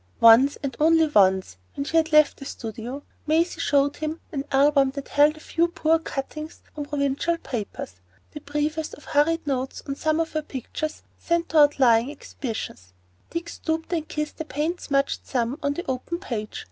Once, and only once, when she had left the studio, Maisie showed him an album that held a few poor cuttings from provincial papers,—the briefest of hurried notes on some of her pictures sent to outlying exhibitions. Dick stooped and kissed the paint smudged thumb on the open page.